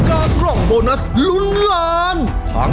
กล่องโบนัสลุ้นล้าน